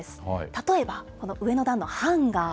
例えば、この上の段のハンガー。